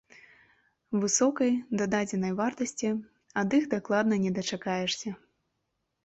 Высокай дададзенай вартасці ад іх дакладна не дачакаешся.